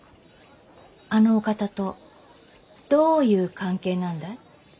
あのお方とどういう関係なんだい？